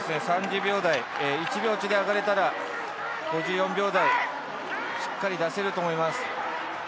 １秒落ちで上がれたら５４秒台、しっかり出せると思います。